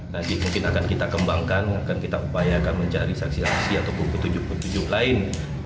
nanti mungkin akan kita kembangkan akan kita upayakan mencari saksi saksi atau kubu tujuh puluh tujuh lain